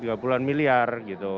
tiga puluh an miliar gitu